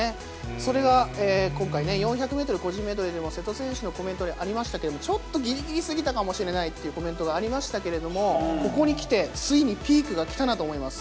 それが今回、４００メートル個人メドレーでも瀬戸選手のコメントありましたけれども、ちょっとぎりぎりすぎたかもしれないってコメントがありましたけれども、ここに来て、ついにピークが来たなと思います。